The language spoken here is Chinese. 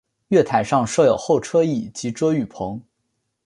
月台上设有候车椅及遮雨棚。